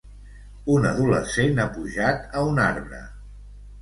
Un adolescent ha pujat a un arbre.